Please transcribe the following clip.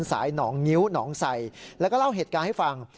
หนองงิ้วหนองใส่แล้วก็เล่าเหตุการณ์ให้ฟัง